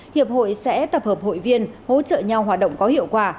hiệp hội sẽ tập hợp hội viên hỗ trợ nhau hoạt động có hiệu quả